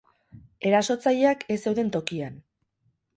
Erasotzaileak ez zeuden tokian.